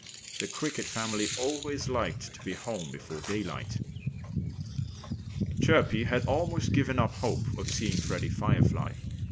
The Cricket family always liked to be home before daylight. Chirpy had almost given up hope of seeing Freddie Firefly.